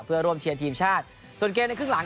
เพื่อร่วมเชียร์ทีมชาติส่วนเกมในครึ่งหลัง